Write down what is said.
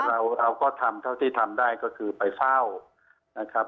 เราเราก็ทำเท่าที่ทำได้ก็คือไปเฝ้านะครับ